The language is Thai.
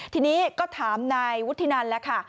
ทีนี้ก็ถามนายวุฒินันแล้วค่ะ